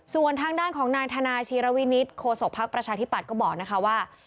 ส่วนทางด้านของนายธนาชีรวินิตโฆษกภักดิ์ประชาธิปัตย์ก็บอกนะคะว่า